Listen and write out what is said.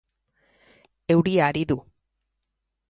Euria ari du.